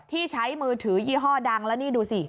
ที่ใช้มือถือยี่ห้อดังแล้วนี่ดูสิ